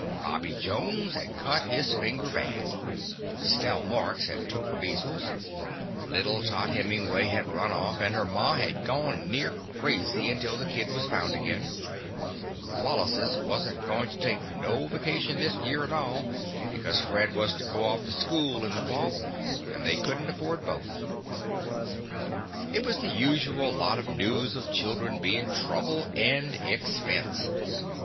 Bobby Jones had cut his fin ger bad; Stell Marks had took the measles; little Tot Hemingway had run off, and her ma had gone near crazy until the kid was found again; the Wallaces was n't goin' to take no vacation this year at all because Fred was to go off to school in the fall, and they could n't afford both. It was the usual lot of news of children bein' trouble and expense.